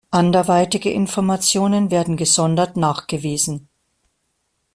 Anderweitige Informationen werden gesondert nachgewiesen.